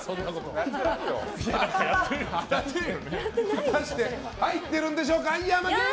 果たして入ってるんでしょうかヤマケン！